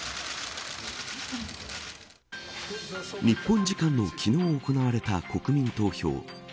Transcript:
日本時間の昨日行われた国民投票。